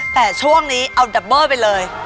แต่ช่วงนี้เอาดับเบอร์ไปเลย